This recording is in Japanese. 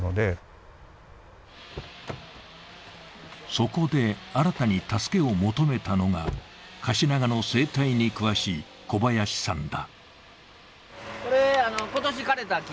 そこで新たに助けを求めたのが、カシナガの生態に詳しい小林さんだ。